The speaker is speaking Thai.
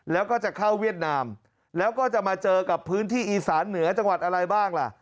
แล้วก็จะเข้าเวียดนามแล้วก็จะมาเจอกับพื้นที่อีสานเหนือจังหวัดอะไรบ้างล่ะ